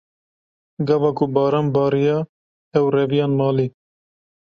Gava ku baran bariya, ew reviyan malê.